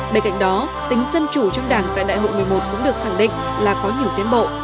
bên cạnh đó tính dân chủ trong đảng tại đại hội một mươi một cũng được khẳng định là có nhiều tiến bộ